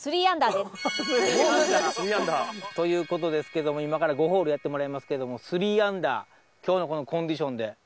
３アンダー。ということですけども今から５ホールやってもらいますけども３アンダー今日のこのコンディションで。